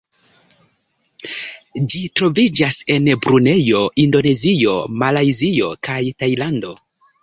Ĝi troviĝas en Brunejo, Indonezio, Malajzio ka Tajlando.